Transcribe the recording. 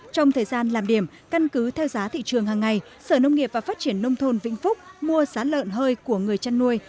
trong thời gian làm điểm căn cứ theo giá thị trường hàng ngày sở nông nghiệp và phát triển nông thôn vĩnh phúc mua giá lợn hơi của người chăn nuôi